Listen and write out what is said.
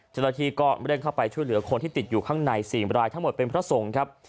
เจ้าหน้าที่ก็เร่งเข้าไปช่วยเหลือคนที่ติดอยู่ข้างใน๔รายทั้งหมดเป็นพระสงฆ์ครับ